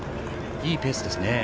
いいペースですね。